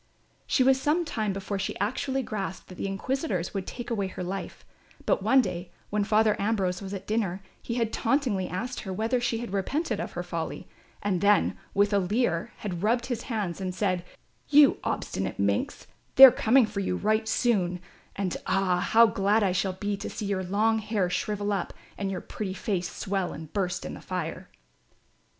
She was some time before she actually grasped that the inquisitors would take away her life; but one day when Father Ambrose was at dinner he had tauntingly asked her whether she had repented of her folly; and then, with a leer, had rubbed his hands and said: "You obstinate minx, they are coming for you right soon and ah, how glad I shall be to see your long hair shrivel up and your pretty face swell and burst in the fire."